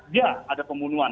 ya ada pembunuhan